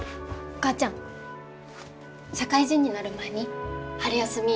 お母ちゃん社会人になる前に春休み